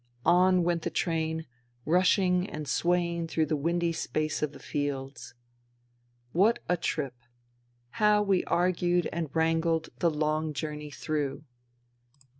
On went the train, rushing and swaying through the windy space of the fields. What a trip 1 How we argued and wrangled the long journey through